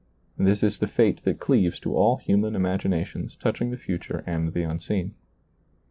This is the fate that cleaves to all human imaginations touching the future and the unseen.